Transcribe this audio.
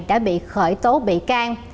đã bị khởi tố bị can